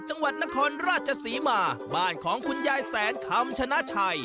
จังหวัดนครราชศรีมาบ้านของคุณยายแสนคำชนะชัย